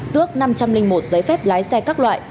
tước năm trăm linh một giấy phép lái xe các loại